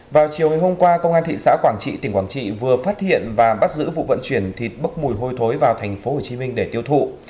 vào chiều hôm qua công an thị xã quảng trị tỉnh quảng trị vừa phát hiện và bắt giữ vụ vận chuyển thịt bốc mùi hôi thối vào thành phố hồ chí minh để tiêu thụ